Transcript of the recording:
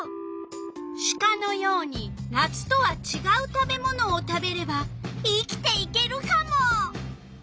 シカのように夏とはちがう食べ物を食べれば生きていけるカモ。